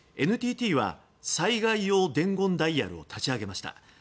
ＮＴＴは災害用伝言ダイヤルを立ち上げました。